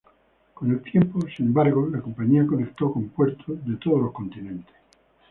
Con el tiempo, sin embargo la compañía conectó con puertos de todos los continentes.